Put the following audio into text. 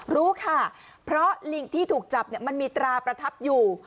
รู้ค่ะเพราะลิงที่ถูกจับมันมีตราประทับอยู่